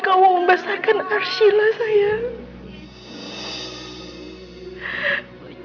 aku ingin kamu membasahkan arsila sayang